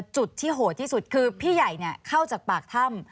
จุดที่โหดที่สุดคือพี่ใหญ่เข้าจากปากถ้ำ